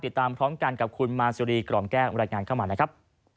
ติดตามพร้อมกันกับคุณมาสุรีกล่อมแก้วรายงานเข้ามานะครับ